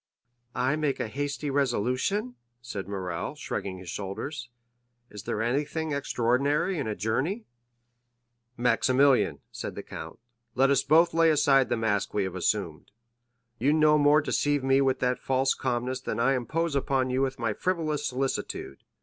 "I make a hasty resolution?" said Morrel, shrugging his shoulders; "is there anything extraordinary in a journey?" 50125m "Maximilian," said the count, "let us both lay aside the mask we have assumed. You no more deceive me with that false calmness than I impose upon you with my frivolous solicitude.